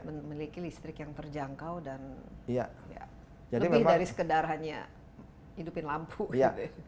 memiliki listrik yang terjangkau dan lebih dari sekedar hanya hidupin lampu ya